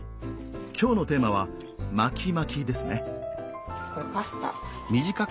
今日のテーマは「巻きまき」ですね。